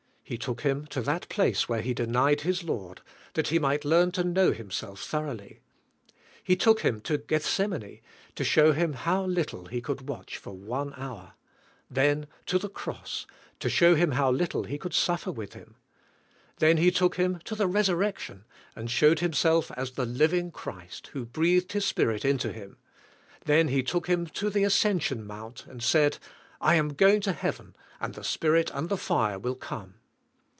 He took him to that place where he denied his Lord that he might learn to know himself thoroughly. He took him to Geth semane to show him how little he could watch for one hour; then to the cross to show him how little he could suffer with him. Then He took him to the resurrection and showed Himself as the living Christ, who breathed His Spirit into him; then He took him to the ascension mount and said, I am going to heaven and the Spirit and the fire will come.